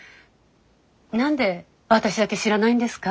何で私だけ知らないんですか？